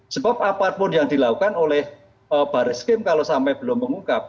sebab apapun yang dilakukan oleh baris krim kalau sampai belum mengungkap